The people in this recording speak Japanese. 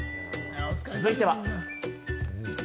続いては。